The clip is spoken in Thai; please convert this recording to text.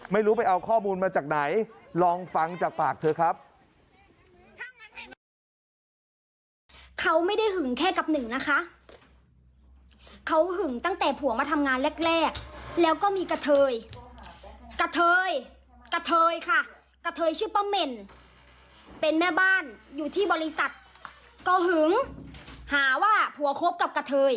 ไม่รู้ไปเอาข้อมูลมาจากไหนลองฟังจากปากเธอครับ